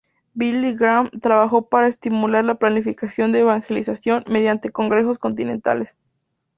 Billy Graham trabajó para estimular la planificación de evangelización mediante congresos continentales.